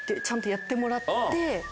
ちゃんとやってもらって。